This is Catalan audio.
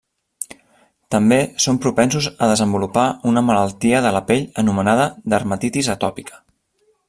També són propensos a desenvolupar una malaltia de la pell anomenada Dermatitis atòpica.